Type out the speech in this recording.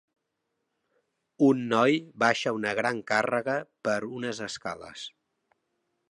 Un noi baixa una gran càrrega per unes escales.